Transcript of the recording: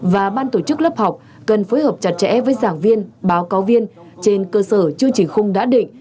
và ban tổ chức lớp học cần phối hợp chặt chẽ với giảng viên báo cáo viên trên cơ sở chương trình khung đã định